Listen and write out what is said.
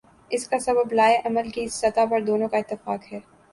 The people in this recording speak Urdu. اس کا سبب لائحہ عمل کی سطح پر دونوں کا اتفاق ہے۔